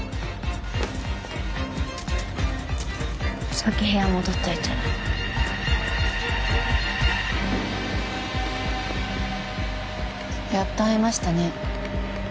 先部屋戻っといてやっと会えましたね